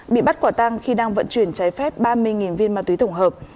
bị bắt quả tăng khi đang vận chuyển trái phép ba mươi viên ma túy tổng hợp